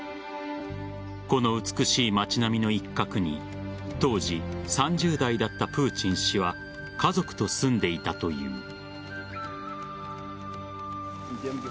この美しい町並みの一角に当時３０代だったプーチン氏は家族と住んでいたという。